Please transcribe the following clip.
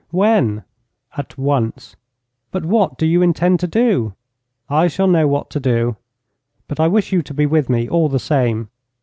'When?' 'At once.' 'But what do you intend to do?' 'I shall know what to do. But I wish you to be with me, all the same.'